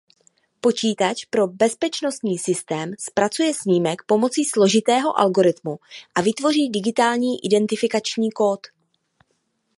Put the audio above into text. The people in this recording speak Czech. Počítač pro bezpečnostní systém zpracuje snímek pomocí složitého algoritmu a vytvoří digitální identifikační kód.